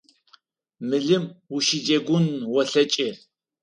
Мылым ущыджэгун олъэкӏы.